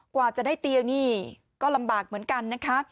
กว่าจะได้เตียงนี่ก็ลำบากเหมือนกันนะคะ